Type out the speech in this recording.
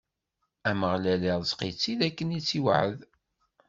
Ameɣlal ireẓq-itt-id, akken i s-t-iwɛed.